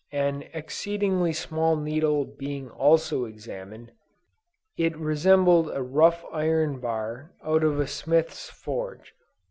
An exceedingly small needle being also examined, it resembled a rough iron bar out of a smith's forge.